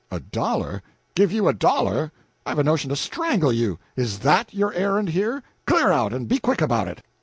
"A dollar! give you a dollar! I've a notion to strangle you! Is that your errand here? Clear out! and be quick about it!"